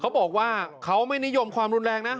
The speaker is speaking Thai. เขาบอกว่าเขาไม่นิยมความรุนแรงนะ